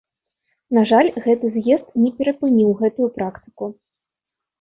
На жаль, гэты з'езд не перапыніў гэтую практыку.